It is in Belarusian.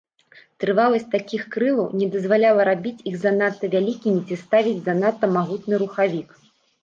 Трываласць такіх крылаў не дазваляла рабіць іх занадта вялікімі ці ставіць занадта магутны рухавік.